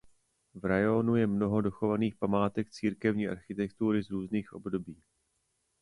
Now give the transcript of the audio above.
V rajónu je mnoho dochovaných památek církevní architektury z různých období.